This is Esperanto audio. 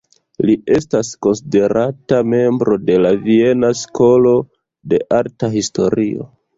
Li estas konsiderata membro de la "Viena Skolo de Arta Historio".